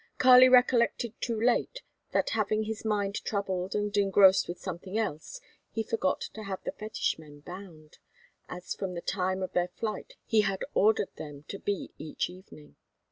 Kali recollected too late that, having his mind troubled and engrossed with something else, he forgot to have the fetish men bound, as from the time of their flight he had ordered them to be each evening.